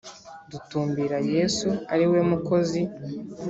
dutumbira Yesu ari we Mukozi